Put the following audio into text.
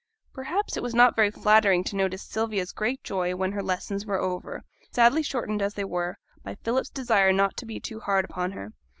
Perhaps it was not very flattering to notice Sylvia's great joy when her lessons were over, sadly shortened as they were by Philip's desire not to be too hard upon her.